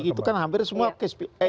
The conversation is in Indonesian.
itu kan hampir semua case